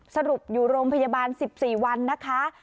สรุปอยู่โรงพยาบาล๑๔วันนะคะ